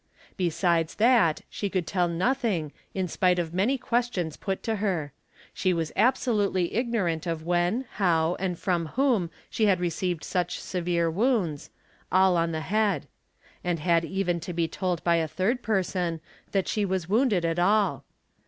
Besides that, she could tell nothing | in spite of many questions put to her; she was absolutely ignorant of when, how, and from whom she had received such severe wounds, all — on the head; and had even to be told by a third person that she was | wounded at all.